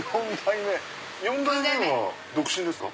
４代目は独身ですか？